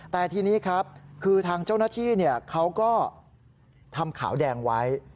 แต่ทีนี้ครับคือทางเจ้าหน้าที่เขาก็ทำขาวแดงไว้